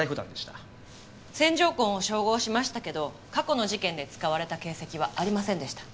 線条痕を照合しましたけど過去の事件で使われた形跡はありませんでした。